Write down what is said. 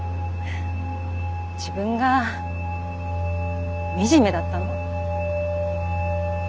自分が惨めだったの。